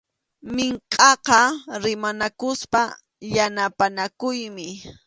Minkʼaqa rimanakuspa yanapanakuymi.